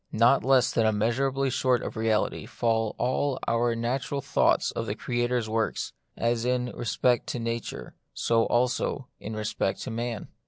Not less than immeasurably short of the reality fall all our natural thoughts of the Creator's works ; as in respect to nature, so also in respect to man.